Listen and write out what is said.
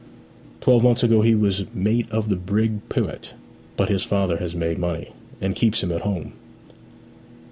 'Twelve months ago he was mate of the brig Pewit; but his father has made money, and keeps him at home.'